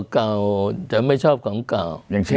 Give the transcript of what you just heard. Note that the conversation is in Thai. สิ่งเก่าจะไม่ชอบของเก่า